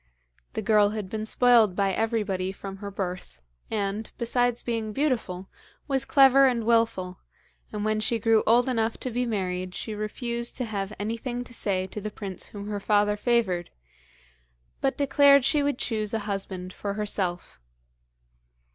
The girl had been spoiled by everybody from her birth, and, besides being beautiful, was clever and wilful, and when she grew old enough to be married she refused to have anything to say to the prince whom her father favoured, but declared she would choose a husband for herself.